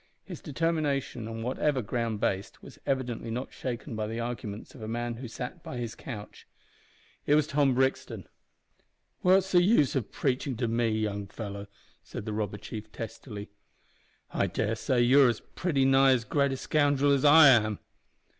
His determination, on whatever ground based, was evidently not shaken by the arguments of a man who sat by his couch. It was Tom Brixton. "What's the use o' preachin' to me, young fellow?" said the robber chief, testily. "I dare say you are pretty nigh as great a scoundrel as I am."